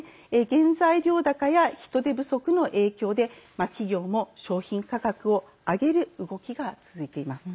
原材料高や人手不足の影響で企業も商品価格を上げる動きが続いています。